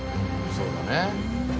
そうだね。